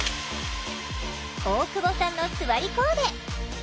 大久保さんのすわりコーデ。